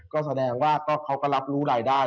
ก็แสดงว่าเขาก็รับรู้รายได้